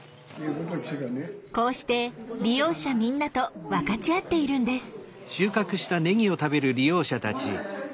こうして利用者みんなと分かち合っているんです。